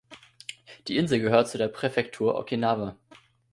Die Insel gehört zu der Präfektur Okinawa.